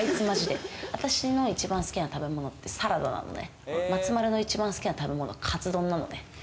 私が一番好きな食べ物ってサラダなのね、松丸の一番好きな食べ物・カツ丼なのね。